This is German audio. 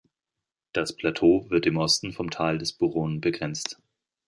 Das Plateau wird im Osten vom Tal des Buron begrenzt.